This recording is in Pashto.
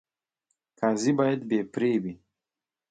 قاضي باید بې پرې وي